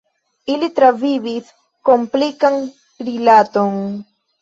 Ili travivis komplikan rilaton.